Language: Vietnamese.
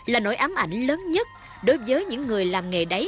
là nỗi ám ảnh lớn nhất đối với những người làm nghề đáy